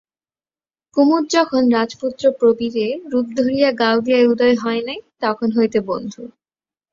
কুমুদ যখন রাজপুত্র প্রবীরের রূপ ধরিয়া গাওদিয়ায় উদয় হয় নাই তখন হইতে বন্ধু।